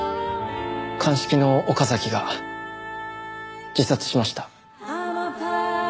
鑑識の岡崎が自殺しました。